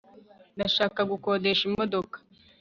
ndashaka gukodesha imodoka